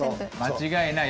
間違いない。